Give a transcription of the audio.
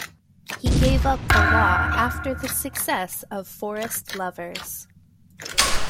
He gave up the law after the success of "Forest Lovers".